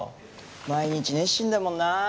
毎日熱心だもんな。